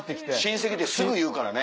親戚ってすぐ言うからね。